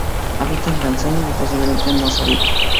Habita en Tanzania y posiblemente Mozambique.